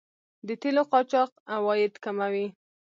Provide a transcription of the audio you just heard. د تیلو قاچاق عواید کموي.